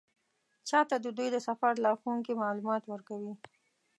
چا ته د دوی د سفر لارښوونکي معلومات ورکوي.